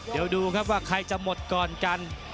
เดี๋ยวดูครับว่าใครจะหมดก่อนกัน